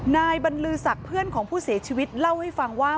นายบรรลือศักดิ์เพื่อนของผู้เสียชีวิตเล่าให้ฟังว่า